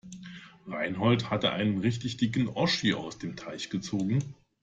Reinhold hat einen richtig dicken Oschi aus dem Teich gezogen.